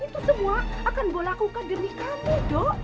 itu semua akan mbah lakukan demi kamu